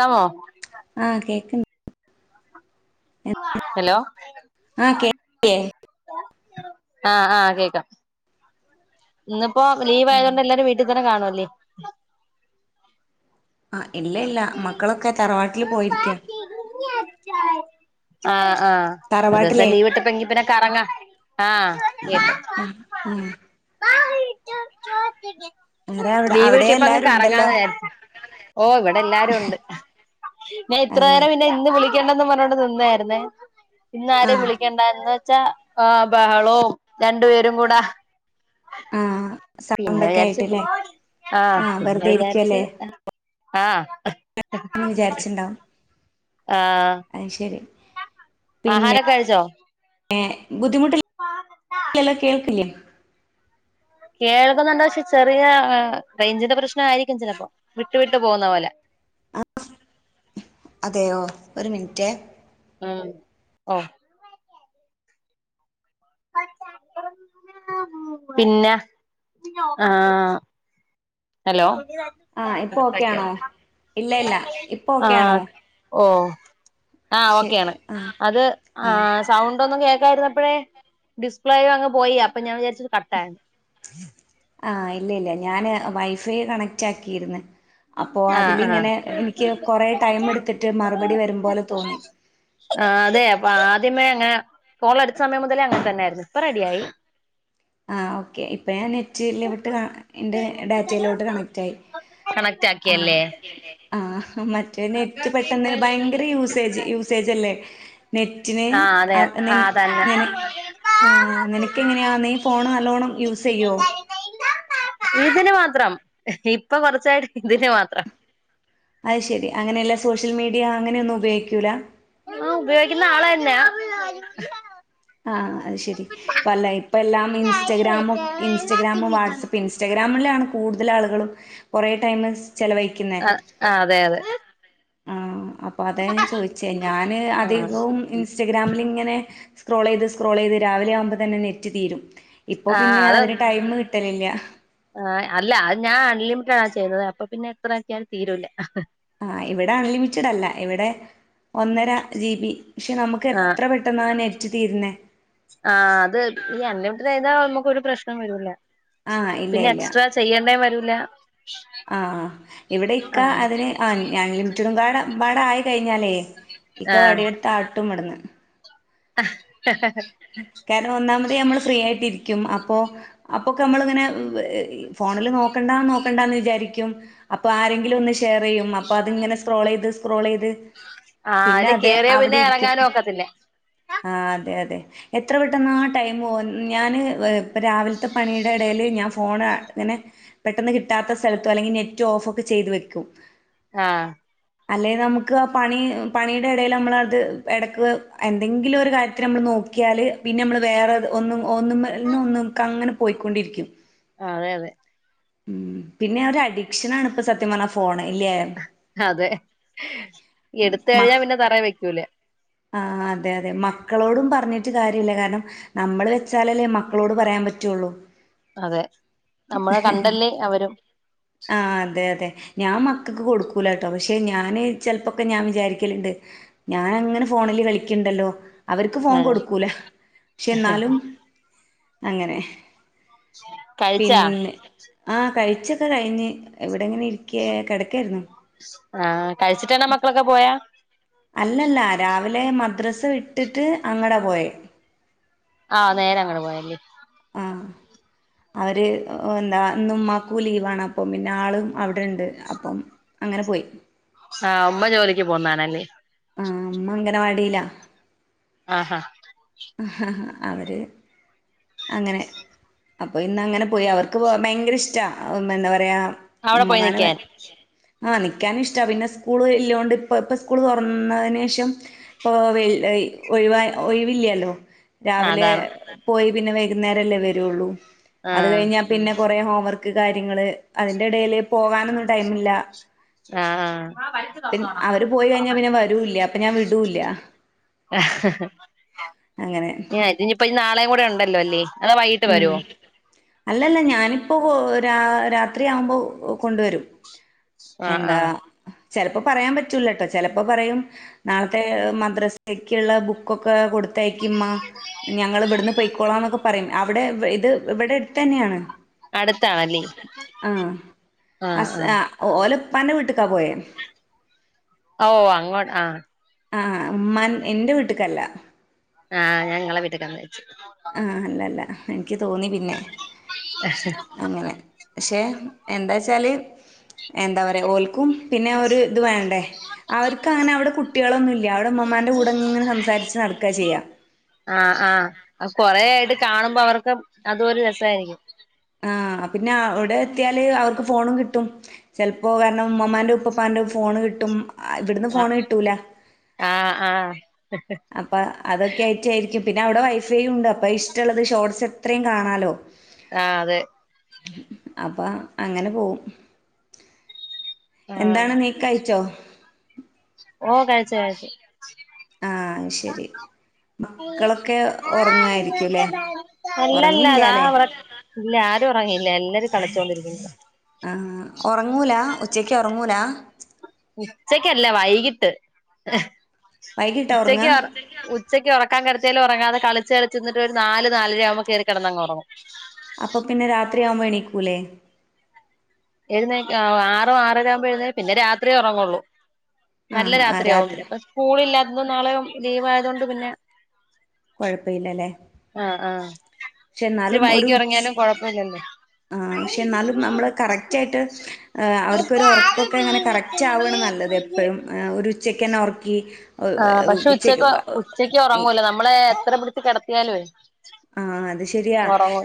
ക്കാമോ ആഹഹ് കേക് ഹലോ ആഹ് കെ [unintelligible] ആഹ് ആഹ് കേക്കാം ഇന്നിപ്പോ ലീവ് ആയതുകൊണ്ട് എല്ലാരും വീട്ടിൽ തന്നെ കാണുവല്ലേ ആഹ് ഇല്ല ഇല്ല മക്കളൊക്കെ തറവാട്ടിൽ പോയിരിക്കാ ആഹഹ് ആഹ് ഒരോസം തറവാട്ടിലേ ലീവ് കിട്ടിയപ്പം ഇഞ് പിന്നെ കറങ്ങ ആഹ് ആഹ് ആരാ [unintelligible] അവിടെ ലീവ് അവിടെ കിട്ടിയപ്പോ അന്ന് എല്ലാരും ഉണ്ടല്ലോ കറങ്ങാന്ന് വിചാരിച്ചു ഓഹ് ഇവിടെ എല്ലാരും ഉണ്ട് ഞാൻ അതെ ഇത്രേരം പിന്നെ ഇന്ന് വിളിക്കണ്ടന്ന് പറഞ്ഞോണ്ട് നിന്നായിരുന്നേ ഇന്നരെയും ആഹ് വിളിക്കേണ്ടാ ന്ന് റ്റ ആഹ് ബഹളവും രണ്ടു പേരും കൂടെ ആഹ് പിന്നെ സൗണ്ടൊക്കെ വിചാരിച്ച് ആയിട്ട്ല്ലേ ആഹ് പിന്നെ വെറുതെ വിചാരിച്ച് ഇരിക്കുവല്ലേ ആഹ് ഒന്ന് വിചാരിച്ചിണ്ടാവും ആഹ് അഹ് ശരി ആഹാരം ഒക്കെ കഴിച്ചോ ഏഹ് ബുദ്ധിമുട്ടില്ലല്ലോ കേൾക്കില്ല കേൾക്കുന്നുണ്ട പക്ഷെ ചെറിയ റേഞ്ചിന്റെ പ്രശ്ന ആയിരിക്കും ചിലപ്പോ വിട്ടു വിട്ട് പോകുന്ന പോലെ ആഹ് അതെയോ ഒരു മിൻറ്റേ ഉം ഓഹ് പിന്നെ ആഹ് ഹലോ ആഹ് ഇപ്പൊ ഓക്കെ കട്ടാക്കിയോ ആണോ ഇല്ല ഇല്ല ഇപ്പൊ ഓക്കെ ആണോ ആഹ് ഓഹ് ആഹ് ശരി ഓക്കെയാണ് ആഹ് അത് ആഹ് സ് സൗണ്ട് ഒന്നും കേൾക്കായിരുന്നപ്പോഴേ ഡിസ്പ്ലേ അങ്ങ് പോയി അപ്പ ഞാൻ വിജാരിച്ച് ത് കട്ടായി ആഹ് ഇല്ല ഇല്ല ഞാന് വൈഫൈ കണക്റ്റ് ആക്കിയിരിന്ന് അപ്പോ ആഹ് ആഹ് അതിലിങ്ങനെ എനിക്ക് കൊറെ ടൈം എടുത്തിട്ട് മറുപടി വരും പോലെ തോന്നി ആതെ അപ്പൊ ആദ്യമേ അങ്ങനെ ഫോള എടുത്ത സമയം മുതലേ അങ്ങനെ തന്നൊയിരുന്നു ഇപ്പൊ റെഡിയായി ആഹ് ഓക്കെ ഇപ്പം ഞാൻ നെറ്റ് ലിവിട്ട് കാ ഇന്റെ ഡാറ്റയിലോട്ട് കണക്റ്റ് ആയി കണക്റ്റ് ആഹ് ആക്കിയല്ലേ ആഹ് മറ്റേ നെറ്റ് പെട്ടെന്ന് ഭയങ്കര യൂസേജ് യൂസേജ് അല്ലേ. നെറ്റിന് ആഹ് അതെ ആ നിന ആഹ് തന്നെ നിന ആഹ് നിനക്കെങ്ങനെയാ നീ ഫോൺ നല്ലോണം യൂസയ്യോ? ഇതിന് മാത്രം ഇപ്പൊ കൊർച്ചായിട്ട് ഇതിന് മാത്രം. അയ് ശരി അങ്ങനെയല്ല സോഷ്യൽ മീഡിയ അങ്ങനെയൊന്നും ഉപയോഗിക്ക്യൂ ലാ? ആഹ് ഉപയോഗിക്കുന്ന ആളെന്നെ. ആഹ് അത് ശരി ഇപ്പ അല്ല ഇപ്പ എല്ലാം ഇൻസ്റ്റഗ്രാമും ഇൻസ്റ്റഗ്രാമും വാട്സ്ആപ്പ് ഇൻസ് ഇൻസ്റ്റഗ്രാമിലാണ് കൂടുതൽ ആളുകളും കുറേ ടൈമ് ചെലവഴി ആഹ് അതെ അതെ. ആഹ അപ്പൊ അത ചോയിച്ചേ ഞാന് ആ അധികവും ഇൻസ് ഇൻസ്റ്റഗ്രാമില്ങ്ങനെ സ്ക്രോൾ ചെയ്ത് സ്ക്രോൾ ചെയ്ത് രാവില ആവുമ്പോ തന്നെ നെറ്റ് തീരും. ഇപ്പൊ ആ പിന്നെ അതിന് ടൈം കിട്ടലില്ല. ആഹ അല്ല അത് ഞാൻ അൺലിമിറ്റഡ ആ ചെയ്തത് അപ്പൊ പിന്നെ എത്രാക്കിയാലും തീരൂല. ആഹ ഇവിടെ അൺലിമിറ്റഡ് അല്ല ഇവിടെ ഒന്നര ജി ബി പക്ഷെ നമക്ക് എത്ര പെ ട്ടെന്നാ നെറ്റ് തീര് നെ. ആഹ് അത് ഈ അൺലിമിറ്റഡ് ആയാ നമുക്കൊരു പ്രശ്നം വരൂല ആഹ് ഇല്ല പിന്നെ എക്സ്ട്രാ. ചെയ്യണ്ടേ വരൂല. ആഹ ഇവ്ടെ ഇക്കാ അങ്ങനെ അതിന് ആഹ അൺലിമിറ്റടും മ്പാട ആയി കഴിഞ്ഞാലേ. ഇക്ക ആ വടിയെട്ത്ത് ആട്ടും ബട്ന്ന്. ഹഹഹ കാരണം ഒന്നാമത് നമ്മൾ ഫ്രീ ആയിട്ടിരിക്കും അപ്പൊ. അപ്പൊക്കെ നമ്മളിങ്ങനെ ഫോണില് നോക്കണ്ടാ നോക്കണ്ടാന്ന് വിചാരിക്ക്യും. അപ്പൊ ആരെങ്കിലും ഒന്ന് ഷെയർ ചെയ്യും അപ്പൊ അത്ങ്ങനെ സ്ക്രോളെ യ്ത് സ്ക്രോളെയ്ത്. ആ പിന്നെ അതില് അതെ കേറിയാ പിന്നെ അവ്ടെ ഇരിക്ക്യും എറങ്ങാനും ഒക്കത്തില്ല ആഹ് അതെ അതെ. എത്ര പെട്ടെന്നാ ടൈമ് പോവാ ഞാന് ഇപ്പ രാവിൽത്തെ പണിടെ എടേല് ഞാൻ ഫോണ് ങ്ങനെ. പെട്ടെന്ന് കിട്ടാത്ത സ്ഥലത്തോ അല്ലെങ്കിൽ നെറ്റ് ഓഫ് ഒക്കെ ചെയ്ത് വെക്കും. ആഹ്. അല്ലെ നമുക്ക് ആ പണി പണിടെ എടേല് നമ്മളത് എടക്ക് എന്തെങ്കിലും ഒരു കാര്യത്തിന് നമ്മള് നോക് ക്കിയാല് പിന്നെ അമ്മള് വേറെ ഒന്നും ഒന്നുമ്മന്നൊ ന്ന് ക്കങ്ങനെ പോയിക്കൊണ്ടിര് ക്കും. അതെ അതെ. ഉം പിന്നെ ഒരഡിക്ഷനാണ് ഇപ്പ സത്യം പറഞ്ഞാല് ഫോണ് ഇല്ല്യേ? അതെ എടുത്ത് കഴിഞ്ഞാ പിന്നെ തറേ വെക്കൂല. ആഹ അതെ അതെ മക്കളോടും പറഞ്ഞിട്ട് കാര്യല്ല കാരണം. നമ്മള് വെച്ചാലല്ലേ മക്കളോട് പറയാൻ പറ്റുള്ളൂ. അതെ നമ്മളെ കണ്ടല്ലേ അവരും. ആഹ അതെ അതെ. ഞാൻ മക്കക്ക് കൊടുക്കൂല ട്ടോ പക്ഷെ ഞാന് ചെൽപ്പൊക്കെ ഞാൻ വിചാരിക്കല്ണ്ട്. ഞാൻ അങ്ങനെ ഫോണില് കളിക്ക്ണ്ടല്ലോ. അവർക്ക് ഫോൺ ആ കൊട്ക്കൂല പക്ഷെ എന്നാലും അങ്ങനെ. കഴിച്ചാ പിന്നെ ആഹ് കയിച്ചൊക്കെ കഴിഞ്ഞ് ഇവ് ടെങ്ങനെ ഇര് ക്ക്യേ കെട്ക്കേ ര്ന്നു. ആഹ് കഴിച്ചിട്ടാണോ മക്കളൊക്കെ പോയാ? അല്ലല്ല രാവിലെ മദ്രസ് വിട്ടിട്ട് അങ്ങടെ പോയി. ആഹ് നേരെ അങ്ങട് പോയല്ലേ? ആഹ് [unintelligible] അവര് എന്താ ന്നുമ്മാക്കൂ ലീവാണ് അപ്പം പിന്നെ ആളും അവിടെണ്ട് അപ്പം. അങ്ങനെ പോയി. ആഹ് ഉമ്മ ജോലിക്ക് പോവുന്നാണല്ലേ? ആഹ് മ്മ അങ്കനവാടീലാ. ആഹാ അവര് അങ്ങനെ അപ്പൊ ഇന്ന് അങ്ങനെ പോയി അവർക്ക് പോകാൻ ഭയങ്കര ഇഷ്ട എന്താ പറയാ അവിടെ പോയി ഉമ്മമാന നിക്കാൻ ആഹ നിക്കാൻ ഇഷ്ടാ പിന്നെ സ്കൂള് ഇല്ലോണ്ട് ഇപ്പ ഇപ്പ സ്കൂള് തുറന്നതിന് ശേഷം ഇപ്പോ ഒഴി ഒഴിവില്ലല്ലോ രാവിലെ അതാണ് പോയി പിന്നെ വൈകുന്നേരല്ലേ വരുള്ളൂ അത് ആഹ് കയിഞ്ഞ. പിന്നെ കുറ ഹോംവർക്ക് കാര്യങ്ങള് അതിന്റെടയിൽ പോകാൻ ന്നും ടൈമില്ല ആഹ് പി അവര് പോയി കഴിഞ്ഞാ പിന്നെ വരൂല്ല അപ്പൊ ഞാൻ വിടൂല്ല ആഹാാാ അങ്ങനെ ഞാ ഇതിനിപ്പ ഇ നാളെയും കൂടെ ഉണ്ടല്ലോ അല്ലേ അതോ വൈകിട്ട് ഉം വരുവോ അല്ലല്ല ഞാനിപ്പോ രാ രാത്രിയാവുമ്പോ കൊണ്ടുവരും ആഹ് എന്താ ആഹ് ചെലപ്പോ പറയാൻ പറ്റൂലട്ടോ ചെലപ്പോ പറയും. നാളത്തെ മദ്രസക്ക്ള്ള ബുക്കൊക്കെ കൊടുത്തയക്കി മ്മാ ഞങ്ങള് ഇവട്ന്ന് പൊയ്ക്കോളാം ന്നൊക്കെ പറിം. അവടെ ഇത് ഇവടെ എട്ത്തന്നേണ്. അടുത്താണല്ലേ ആഹ് ആഹ് അസ് ആഹ് ഓലപ്പാന്റ വീട്ട്ക്കാ പോയെ ഓ അങ്ങോട്ട് ആഹ് അഹ് ആഹ് ഉമ്മൻ ഇന്റെ വീട്ട്ക്കല്ല. ആഹ് ഞ വീട്ട്ക്കന്നാര്ച്ചു. ആഹ് അല്ലല്ല എൻക്ക് തോന്നി പിന്നെ അങ്ങനെ ശേ എന്താച്ചാല് എന്താ പറിയാ ഓൽക്കും പിന്നെ ഒരു ഇത് വേ അവർക്ക് അങ്ങനെ അവടെ കുട്ട്യാളൊന്നും ഇല്ല. അവ്ടെ ഇമ്മമ്മാന്റെ കൂടെങ്ങനെ സംസാരിച്ച് നടക്കാ ചെയ്യാ ആഹ് ആഹ് കൊറെ ആയിട്ട് കാണുമ്പോ അവർക്ക് അതൊരു രസായിരിക്കും. ആഹ് പിന്നെ അവിടെ എത്തിയാല് അവർക്ക് ഫോണും കിട്ടും. ചെൽപ്പോ കാരണം ഉമ്മമ്മാന്റെ ഉപ്പപ്പാന്റെ ഫോണ് കിട്ടും. ഇവ്ടുന്ന് ആഹ് ഫോണ് കിട്ടൂല. ആഹ് ആഹ് അപ്പൊ അതൊക്കെ ആയിട്ടായ്രിക്കും. പിന്നെ അവിടെ വൈഫൈ ഉണ്ട് അപ്പൊ ഇഷ്ടള്ളത് ഷോർട്സ് എത്രയും കാണാലോ. ആഹ് അതെ. അപ്പൊ അങ്ങനെ പോവും ആഹ് എന്താണ് നീ കയിച്ചോ? ഓ കഴിച്ച് കഴിച്ച് ആഹ് ശരി. മക്കളൊക്കെ ഒറങ്ങായിരിക്കുല്ലേ. ഒറങ്ങിയില്ലാല്ലേ ഇല്ലാ. ആരും ഒറങ്ങിയില്ല എല്ലാരും കളിച്ചോണ്ടിരിക്കുന്നു ആഹ് ഒറങ്ങൂല ഉച്ചക്ക് ഒറങ്ങൂല ഉച്ചക്കല്ല വൈകിട്ട് വൈകിട്ടാ ഉച്ചക്ക് ഉറങ്ങാ ഉച്ചക്ക് ഒറക്കാൻ കെടത്തിയാലും ഒറങ്ങാതെ കളിച്ചു കളിച്ച് നിന്നിട്ടു ഒരു നാല് നാലര ആവ്മ്പോ കേറി കടന്ന് അങ്ങറൊങ്ങും. അപ്പൊ പിന്നെ രാത്രിയാവുമ്പോ എണീക്കൂല്ലേ? എഴുന്നേ ആറോ ആറര ആവുമ്പോ എഴുന്നേ പിന്നെ രാത്രി ഒറങ്ങുള്ളൂ. നല്ല ആഹ് ആഹ് രാത്രിയാവും. രാത്രി അപ്പൊ സ്കൂളില്ലാത്തതും നാളെയും ലീവ് ആയതോണ്ട് പിന്നെ കൊഴപ്പില്ലലേ ആഹ് ആഹ് ഇച്ചിരി വൈകി ഒറങ്ങിയാലും കൊഴപ്പല്ലല്ലേ ആഹ് പക്ഷെ എന്നാലും നമ്മള് കറക്റ്റ് ആയിട്ട് അവർക്കൊരു ഒറക്കൊക്കെ അങ്ങനെ കറക് റ്റാവ്ണ് നല്ലത് എപ്പഴും ഒരു ഉച്ചക്കെന്നെ ഒർക്കി ആ പക്ഷേ ഉച്ചക്ക് ഉച്ചക്ക് ഒറങ്ങൂല നമ്മള് എത്ര പിടിച്ചു കെടത്തിയാല്ലോ ആഹ് അത് ശരിയാ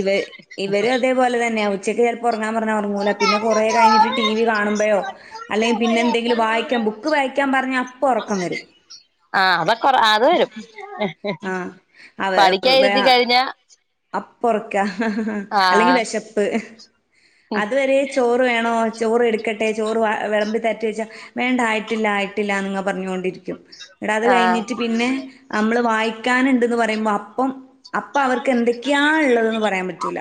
ഇവ ഇവരു അതേപോലെ തന്ന്യാ ഉച്ചക്ക് ചെൽപ്പോ ഒർങ്ങാൻ പറഞ്ഞ ഒർങ്ങൂല പിന്നെ കൊറേ കഴിഞ്ഞിട്ട് ടി വി കാണുമ്പഴോ അല്ലെങ്കി പിന്നെ എന്തെങ്കിലും വായിക്കാൻ ബുക്ക് വായിക്ക ക്കാൻ പറഞ്ഞ അപ്പൊ ഒർക്കം വരും. ആഹ് അതൊക്കൊറ അത് വരും. ആ പഠിക്കാ ഇരുത്തി കഴിഞ്ഞാ അപ്പൊർക്കാ അല്ലെങ്കി ആഹ് വെശപ്പ് അതുവരെ ചോറ് വേണോ? ചോറ് എടുക്കട്ടെ? ചോറ് വെളമ്പി തരട്ടോയ്ച്ച വേണ്ട ആയിട്ടില്ല ആയിട്ടില്ലാ ങ്ങ പർ ഞ്ഞോണ്ടിരിക്കും. ഇങ്ങട് അത് കഴിഞ്ഞ്‌ ആഹ് നമ്മള് വായിക്കാന്ണ്ട്ന്ന് പറയുമ്പോ അപ്പം അപ്പ അവർക്ക് എന്തൊക്കെയാ ഇള്ളതെന്ന് പറയാൻ പറ്റൂല.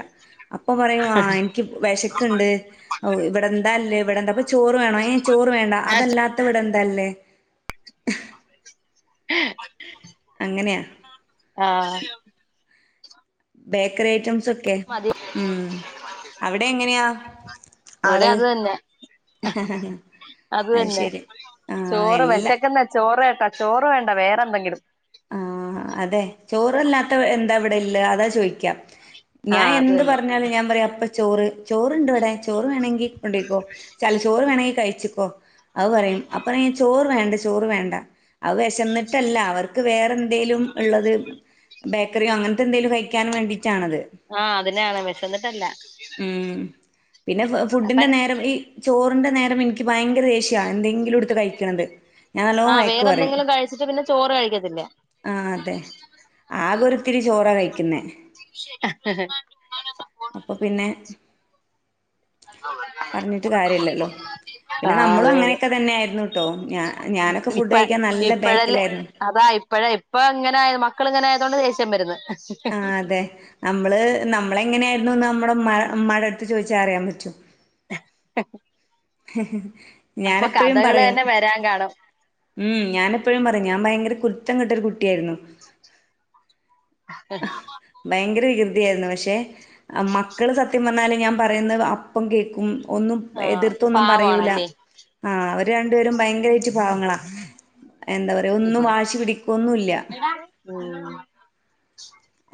അപ്പൊ പറയും ആ ഇൻക്ക് വെശക്ക്ണ്ട് ഇവിടെന്താല്ലേ ഇവിടെന്താപ്പ ചോറ് വേണോ ഏ ചോറ് വേണ്ട അതല്ലാത്ത ഇവിടെ എന്താല്ല അങ്ങനെയാ ആഹ്. ബേക്കറി ഐറ്റംസൊക്കെ മതി ഉം അവിടെ എങ്ങനെയാ? ഇവിടെ ആള് അത് തന്നെ അത് തന്നെ ആഹ് ചോറ് എല്ലാ വെശക്ക്ന്ന ചോറേണ്ട ചോറ് വേണ്ട വേറെ എന്തെങ്കിലും. ആഹ അതെ ചോറല്ലാത്ത എന്താ ഇവിടെള്ളെ അതാ ചോയ്ക്ക. ഞാൻ ആഹ് അത് എന്ത് തന്നെ പർഞ്ഞാലും ഞാൻ പറയാ അപ്പ ചോറ് ചോറ്‌ണ്ടിവ്ടെ ചോറ് വേണമെങ്കി കൊണ്ടോയ്ക്കോ ചല്ല ചോറ് വേണെങ്കി കയ്ച്ച്ക്കോ അത് പറയും അപ്പറിം ചോറ് വേണ്ട ചോറ് വേണ്ട അത് വെശന്നിട്ടല്ല അവർക്ക് വേറെ എന്തേലും ഇള്ളത് ബേക്കറ്യോ അങ്ങൻത്തെ എന്തെലും കഴിക്കാൻ വേണ്ടിട്ടാണത്. ആഹ് അതിനാണ് വിശന്നിട്ടല്ല ഉം പിന്നെ ഫ അപ്പ ഫുഡിന്റെ നേരം ഈ ചോറിന്റെ നേരം എനിക്ക് ഭയങ്കര ദേഷ്യാ എന്തെങ്കിലുംട്ത്ത് കഴിക്ക്ണത്. ഞാൻ നല്ലോം വഴക്ക് പറയും. ച്ച്ട്ട് പിന്നെ ചോറ് കഴിക്കത്തില്ലേ? ആ അതെ ആകെ ഒരുത്തിരി ചോറ കഴിക്ക്ന്നേ. ഹ് ഹ് ഹ്. അപ്പൊ പിന്നെ പർഞ്ഞിട്ട് കാര്യല്ലല്ലോ. പിന്നെ ആഹ് നമ്മളും അതെ അതെ അങ്ങനെയൊക്കെ തന്നെ ആയിരുന്നുട്ടോ ഞാ ഞാനൊക്കെ ഇപ്പ ഫുഡ് കഴിക്കാൻ നല്ല ഇപ്പഴല്ലേ ബേക്കിലായിരുന്നു. അതാ ഇപ്പഴെ ഇപ്പ ഇങ്ങനെയ മക്കള് ഇങ്ങനെ ആയതോണ്ട് ദേഷ്യം വര്ന്ന്. ആ അതെ അമ്മള് നമ്മളെ ങ്ങനെയായിരുന്നുന്ന് അമ്മടെ മ്മ മ്മാറ്റട്ത്ത് ചോയ്ച്ചാ അറിയാൻ പറ്റും. [inaudible] അപ്പൊ ഞാനെപ്പഴും കഥകള് പറയും. തന്നെ വരാൻ കാണും ഉം ഞാനെപ്പഴും പറയും ഞാൻ ഭയങ്കര കുരുത്തം കെട്ടൊരു കുട്ട്യായിരുന്നു. [inaudible] ഭയങ്കര വികൃതിയായിരുന്നു പക്ഷേ മക്കള് സത്യം പർഞ്ഞാൽ ഞാൻ പറയുന്നത് അപ്പം കേക്കും. ഒന്നും ആഹ് എതിർത്തൊന്നും പറയൂല. പാവാണല്ലേ ആ അവര് രണ്ടു പേരും ഭയങ്കരായിട്ട് പാവങ്ങളാ. എന്താ പറയാ ഒന്നും വാശി പിടിക്കൊന്നുല്ല്യ. ഉം.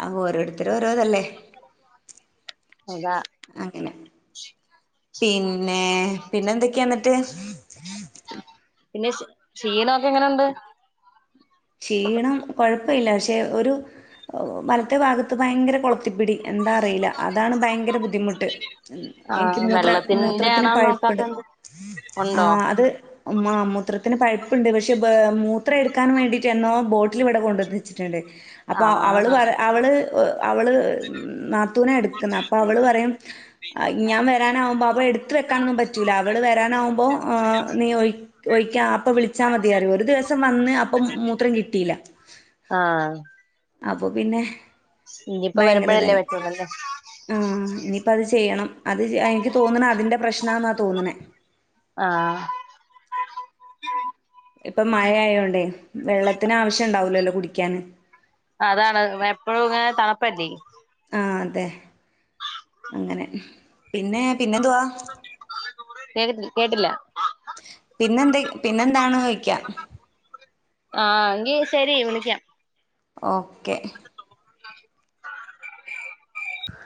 ആ ഓരോര്ത്തര് ഓരോതല്ലേ? അതാ അങ്ങനെ പിന്നെ പിന്നെ എന്തൊക്ക്യ എന്ന്ട്ട്? പിന്നെ ക്ഷീ ക്ഷീണൊക്കെ എങ്ങനുണ്ട്? ക്ഷീണം കൊഴപ്പല്ല പക്ഷെ ഒരു വൽത്തെ ഭാഗത്ത് ഭയങ്കര കൊൾത്തിപ്പിടി. എന്താ അറീല അതാണ് ഭയങ്കര ബുദ്ധിമുട്ട് എനിക്ക് ആഹ് മൂത്ര വെള്ളത്തിന്റെ മൂത്രത്തിന് ആണോ നോക്കാത്ത പഴ്പ്പെട് എന്ത് ഉണ്ടോ ആഹ് അത് മ മൂത്രത്തിന് പഴ്പ്പ്ണ്ട് പക്ഷെ ബെ മൂത്രം എട്ക്കാൻ വേണ്ടി എന്നോ ബോട്ടില് ഇവ്ടെ കൊണ്ട്‌ ന്നെച്ചിട്ണ്ട് അപ്പോ അവള് ആഹ് അവള് അവള് നാത്തൂന എട്ക്ക്ന്നെ അപ്പൊ അവള് പറയും ഞാൻ വരാനാവുമ്പോ അവ എട്ത്ത് വെക്കാനൊന്നും പറ്റ റ്റൂല അവള് വരാനാവുമ്പോ നീ ഒഴി ഒഴിക്ക അപ്പൊ വിളിച്ചാ മതിയെന്ന്‌ ഒരു ദിവസം വന്ന് പ്പം മൂത്രം കിട്ടീല്ല ആഹ് അപ്പൊ പിന്നെ ഇനിയിപ്പ വരുമ്പോഴല്ലേ പറ്റൊല്ലല്ലേ? ഉം ഇനിയിപ്പ അത് ചെയ്യണം അത് എനിക്ക് തോന്ന്ണ അതിന്റെ പ്രശ്നാന്നാ തോന്ന്ണേ. ആഹ്. ഇപ്പൊ മയയോണ്ടേ വെള്ളത്തിന് ആവശ്യ ണ്ടാവൂലല്ലോ കുടിക്കാന്. അതാണ് എപ്പഴും ഇങ്ങനെ തണ്പ്പല്ലേ. ആഹ് അതെ അങ്ങനെ പിന്നെ പിന്നെ ന്തുവാ? കെ കേട്ടില്ല. പിന്നെന്തെ പിന്നന്താണോയ്ക്കാ. ആഹ് ങ്കി ശെരി വിളിക്കാം. ഓക്കെ. [inaudible]